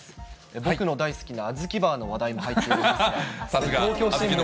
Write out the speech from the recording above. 僕の大好きな小豆バーの話題も入っているんですが、東京新聞の。